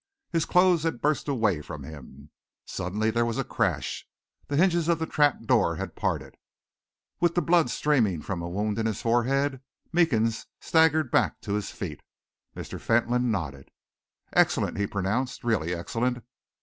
His clothes had burst away from him. Suddenly there was a crash, the hinges of the trap door had parted. With the blood streaming from a wound in his forehead, Meekins staggered back to his feet. Mr. Fentolin nodded. "Excellent!" he pronounced. "Really excellent.